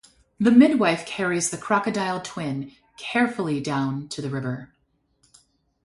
The midwife carries the crocodile twin carefully down to the river.